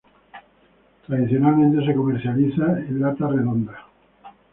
Tradicionalmente se comercializa en latas redondas.